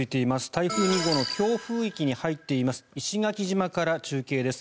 台風２号の強風域に入っています石垣島から中継です。